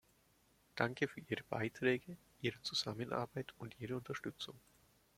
Danke für Ihre Beiträge, Ihre Zusammenarbeit und Ihre Unterstützung.